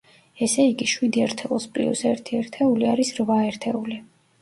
ესე იგი, შვიდ ერთეულს პლიუს ერთი ერთეული არის რვა ერთეული.